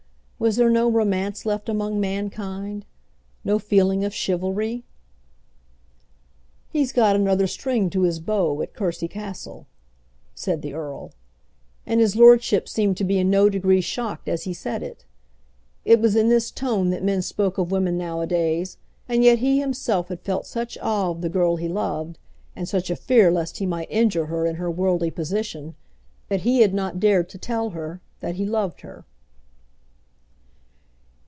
Was there no romance left among mankind, no feeling of chivalry? "He's got another string to his bow at Courcy Castle," said the earl; and his lordship seemed to be in no degree shocked as he said it. It was in this tone that men spoke of women now a days, and yet he himself had felt such awe of the girl he loved, and such a fear lest he might injure her in her worldly position, that he had not dared to tell her that he loved her.